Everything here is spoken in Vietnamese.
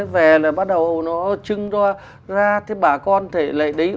với họ bộ kia